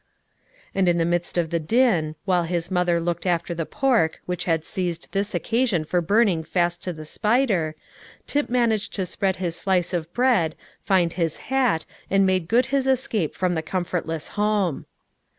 And in the midst of the din, while his mother looked after the pork, which had seized this occasion for burning fast to the spider, Tip managed to spread his slice of bread, find his hat, and make good his escape from the comfortless home.